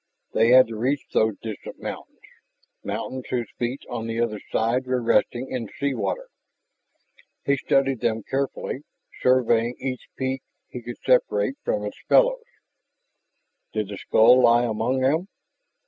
They had to reach those distant mountains, mountains whose feet on the other side were resting in sea water. He studied them carefully, surveying each peak he could separate from its fellows. Did the skull lie among them?